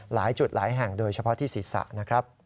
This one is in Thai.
หลายจุดหลายแห่งโดยเฉพาะที่ศีรษะนะครับ